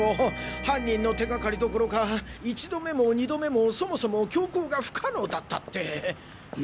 犯人の手がかりどころか一度目も二度目もそもそも凶行が不可能だったって。